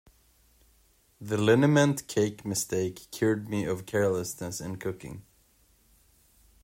The liniment cake mistake cured me of carelessness in cooking.